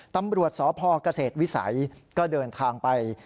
ตำรวจสพเกษตรวิสัยก็เดินทางไป